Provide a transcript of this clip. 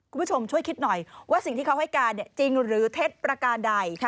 คุณผู้ชมช่วยคิดหน่อยว่าสิ่งที่เขาให้การจริงหรือเท็จประการใด